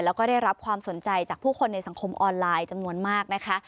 แล้วก็ได้รับความสนใจจากผู้คนในสังคมออนไลน์จำนวนมากนะคะ